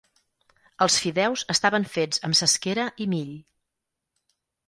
Els fideus estaven fets amb cesquera i mill.